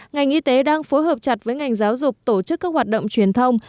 ngành y tế đang phối hợp chặt với ngành giáo dục tổ chức các hoạt động truyền thông